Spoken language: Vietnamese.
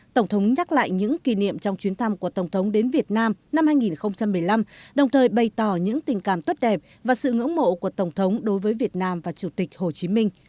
tổng thống nhắc lại những kỷ niệm trong chuyến thăm của tổng thống đến việt nam năm hai nghìn một mươi năm đồng thời bày tỏ những tình cảm tốt đẹp và sự ngưỡng mộ của tổng thống đối với việt nam và chủ tịch hồ chí minh